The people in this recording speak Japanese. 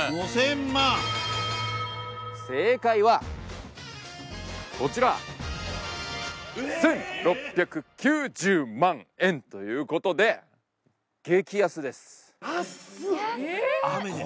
５０００万正解はこちら１６９０万円ということで安っ